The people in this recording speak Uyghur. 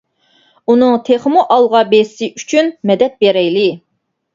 ئۇنىڭ تېخىمۇ ئالغا بېسىشى ئۈچۈن مەدەت بېرەيلى.